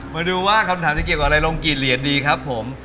มาดูว่าคำถามจะเกี่ยวกับอะไรลงกี่เหรียญดีครับผม